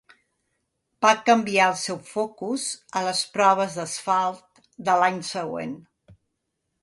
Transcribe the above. Va canviar el seu focus a les proves d'asfalt de l'any següent.